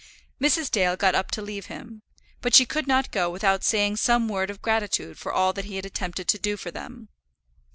Mrs. Dale got up to leave him, but she could not go without saying some word of gratitude for all that he had attempted to do for them.